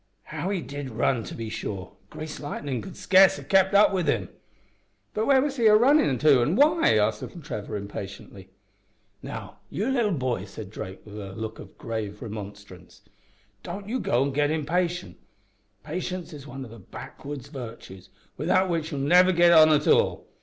How he did run, to be sure! Greased lightnin' could scarce have kep' up wi' him." "But where was he a runnin' to, an' why?" asked little Trevor, impatiently. "Now, you leetle boy," said Drake, with a look of grave remonstrance, "don't you go an' git impatient. Patience is one o' the backwoods vartues, without which you'll never git on at all.